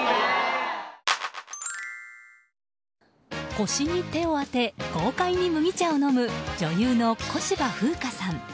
腰に手を当て豪快に麦茶を飲む女優の小芝風花さん。